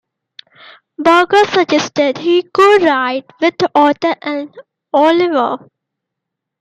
Berger suggested he co-write with author Lin Oliver.